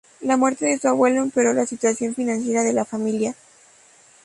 La muerte de su abuelo empeoró la situación financiera de la familia.